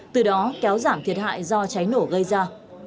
từ đó kéo giảm thiệt hại do cháy nổ gây ra